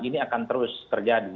ini akan terus terjadi